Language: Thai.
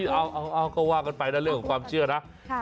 เอาก็ว่ากันไปนะเรื่องของความเชื่อนะ